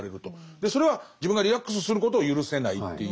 それは自分がリラックスすることを許せないっていう。